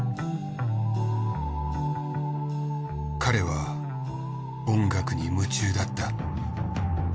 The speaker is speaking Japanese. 彼は音楽に夢中だった。